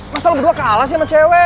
masalah berdua kalah sih sama cewek